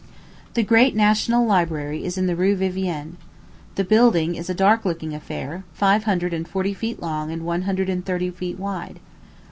The great National Library is in the Rue Vivienne. The building is a dark looking affair, five hundred and forty feet long and one hundred and thirty feet wide.